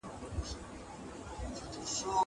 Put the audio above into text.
که وخت وي، ميوې خورم.